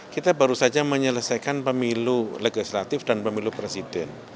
kita baru saja menyelesaikan pemilu legislatif dan pemilu presiden